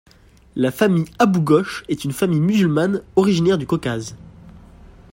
La famille Abou-Gosh est une famille musulmane originaire du Caucase.